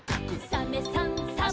「サメさんサバさん」